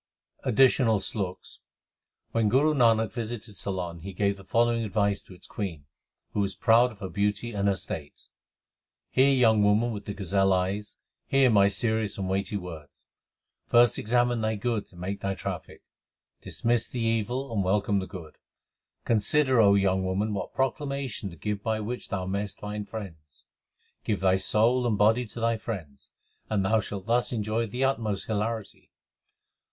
ADDITIONAL SLOKS When Guru Nanak visited Ceylon he gave the following advice to its queen, who was proud of her beauty and her state : Hear, young woman with the gazelle eyes, hear my serious and weighty words. First examine thy goods and make thy traffic. Dismiss l the evil and welcome the good. Consider, O young woman, what proclamation to give by which thou mayest find friends. Give thy soul and body to thy friends, and thou shalt thus enjoy the utmost hilarity.